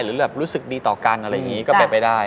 หรือแบบรู้สึกดีต่อกันอะไรอย่างนี้ก็เป็นไปได้